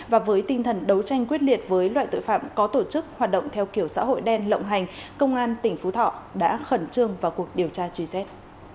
và với tinh thần đấu tranh quyết liệt với loại tội phạm có tổ chức hoạt động theo kiểu xã hội đen lộng hành công an tỉnh phú thọ đã khẩn trương vào cuộc điều tra truy xét